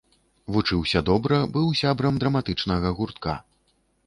Вучыўся добра, быў сябрам драматычнага гуртка.